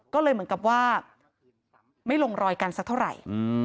ก็เลยเหมือนกับว่าไม่ลงรอยกันสักเท่าไหร่